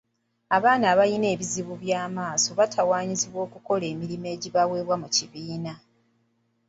Abaana abalina ebizibu by'amaaso batawaanyizibwa okukola emirimu egibaweebwa mu kibiina.